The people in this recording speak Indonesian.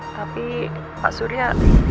tapi pak surya